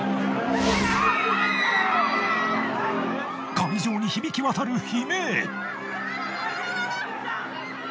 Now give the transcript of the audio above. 会場に響き渡る悲鳴！